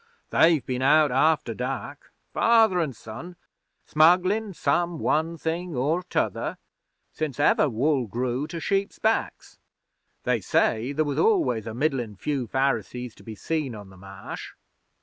They've been out after dark, father an' son, smugglin' some one thing or t'other, since ever wool grew to sheep's backs. They say there was always a middlin' few Pharisees to be seen on the Marsh.